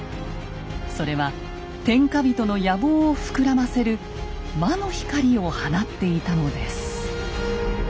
それは天下人の野望を膨らませる魔の光を放っていたのです。